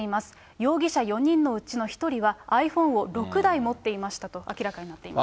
容疑者４人のうちの１人は、ｉＰｈｏｎｅを６台持っていましたと明らかになっています。